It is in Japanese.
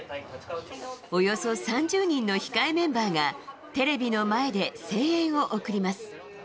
およそ３０人の控えメンバーがテレビの前で声援を送ります。